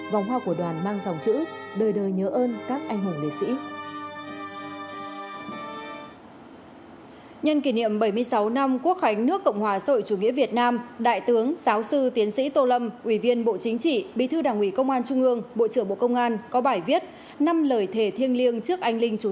vòng hoa của đoàn mang dòng chữ đời đời nhớ ơn các anh hùng liệt sĩ